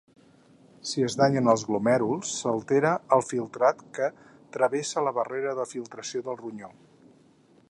Si es danyen els glomèruls s'altera el filtrat que travessa la barrera de filtració del ronyó.